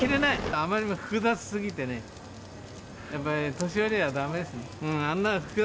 あまりにも複雑すぎてね、やっぱり年寄りはだめですね。